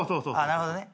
なるほどね。